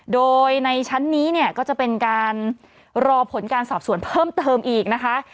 โดยในชั้นนี้เนี่ยก็จะเป็นการรอผลการสอบสวนเพิ่มเติมอีกนะคะ